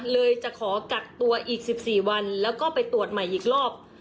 เลยจะขอกักตัวอีก๑๔วันแล้วก็ไปตรวจใหม่อีกรอบ